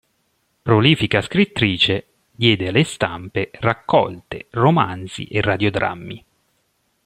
Prolifica scrittrice, diede alle stampe raccolte, romanzi e radiodrammi.